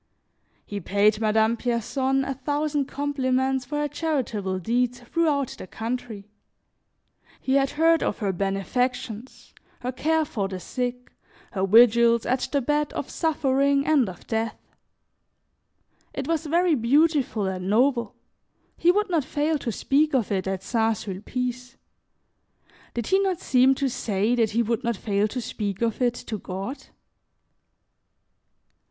He paid Madame Pierson a thousand compliments for her charitable deeds throughout the country; he had heard of her benefactions, her care for the sick, her vigils at the bed of suffering and of death. It was very beautiful and noble; he would not fail to speak of it at St. Sulpice. Did he not seem to say that he would not fail to speak of it to God?